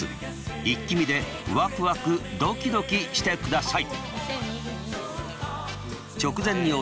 イッキ見でワクワクドキドキしてください。